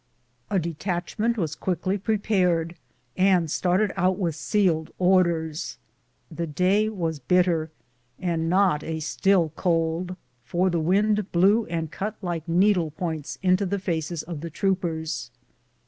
A detachment was quickly prepared, and started out with sealed orders. The day was bitter, and not a still cold, for the wind blew, and cut like needle points into the faces of the troopers.